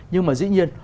nhưng mà dĩ nhiên